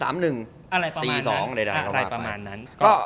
อะไรประมาณนั้น